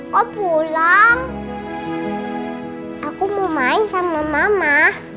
kok pulang aku mau main sama mama